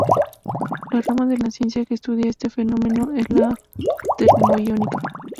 La rama de la ciencia que estudia este fenómeno es la termoiónica.